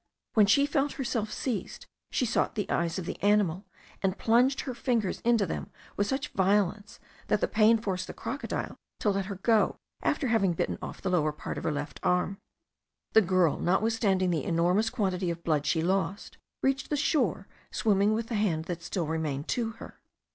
When she felt herself seized, she sought the eyes of the animal, and plunged her fingers into them with such violence, that the pain forced the crocodile to let her go, after having bitten off the lower part of her left arm. The girl, notwithstanding the enormous quantity of blood she lost, reached the shore, swimming with the hand that still remained to her.